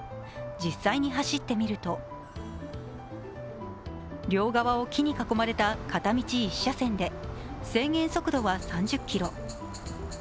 実際に走ってみると両側を木に囲まれた片道１車線で制限速度は３０キロ。